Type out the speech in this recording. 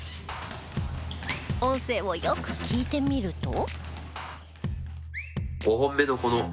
音声をよく聞いてみると。